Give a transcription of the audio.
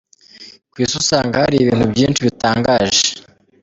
Ku isi usanga hari ibintu byinshi bitangaje.